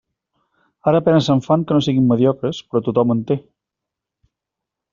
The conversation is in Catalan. Ara a penes se'n fan que no siguin mediocres, però tothom en té.